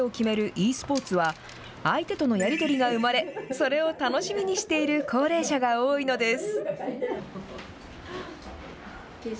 ｅスポーツは、相手とのやり取りが生まれ、それを楽しみにしている高齢者が多いのです。